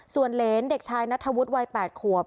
ส่วนเหรนเด็กชายนัทธวุฒิวัย๘ขวบ